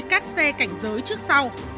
các xe cảnh giới trước sau